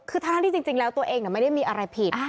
คือทั้งที่จริงแล้วตัวเองไม่ได้มีอะไรผิด